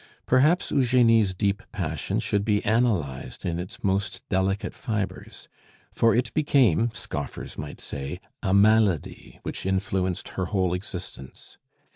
Perhaps Eugenie's deep passion should be analyzed in its most delicate fibres; for it became, scoffers might say, a malady which influenced her whole existence.